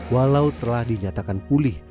walau telah dinyatakan pulih